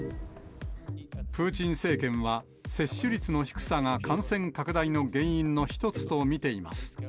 プーチン政権は、接種率の低さが感染拡大の原因の一つと見ています。